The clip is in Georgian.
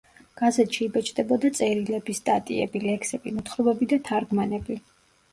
გაზეთში იბეჭდებოდა წერილები, სტატიები, ლექსები, მოთხრობები და თარგმანები.